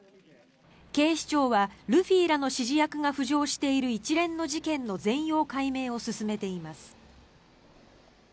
警視庁はルフィらの指示役が浮上している一連の事件の全容解明を進めています。